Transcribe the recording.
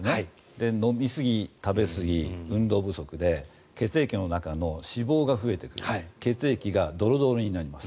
で、飲みすぎ、食べ過ぎ運動不足で血液の中の脂肪が増えてくる血液がドロドロになります。